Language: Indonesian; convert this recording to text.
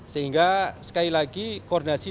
sehingga sekali lagi koordinasi